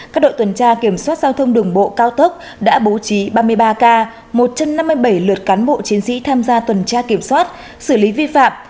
các đội tuần tra kiểm soát giao thông đường bộ cao tốc đã bố trí ba mươi ba ca một trăm năm mươi bảy lượt cán bộ chiến sĩ tham gia tuần tra kiểm soát xử lý vi phạm